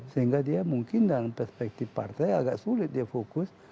sehingga dia mungkin dalam perspektif partai agak sulit dia fokus